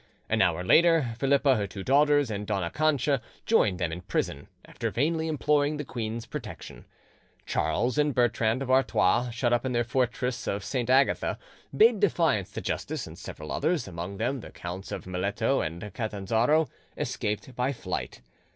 An hour later, Philippa, her two daughters, and Dona Cancha joined them in prison, after vainly imploring the queen's protection. Charles and Bertrand of Artois, shut up in their fortress of Saint Agatha, bade defiance to justice, and several others, among them the Counts of Meleto and Catanzaro, escaped by flight.